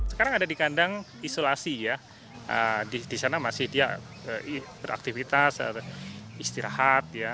sekarang ada di kandang isolasi ya di sana masih dia beraktivitas istirahat ya